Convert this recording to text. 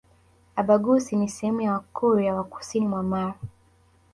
Abhaghusii ni sehemu ya Wakurya wa kusini mwa Mara